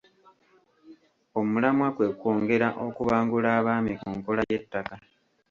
Omulamwa kwe kwongera okubangula Abaami ku nkola y’ettaka.